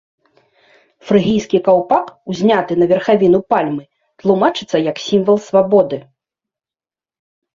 Фрыгійскі каўпак, узняты на верхавіну пальмы, тлумачыцца як сімвал свабоды.